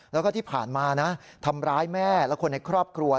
แล้วก็ที่ผ่านมานะทำร้ายแม่และคนในครอบครัว